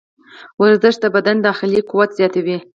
ورزش د بدن داخلي قوت زیاتوي.